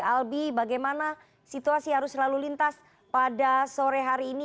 albi bagaimana situasi arus lalu lintas pada sore hari ini